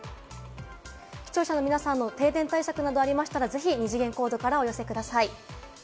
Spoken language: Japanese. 視聴者の皆さんの停電対策などありましたら、ぜひ二次元コードからお寄せください。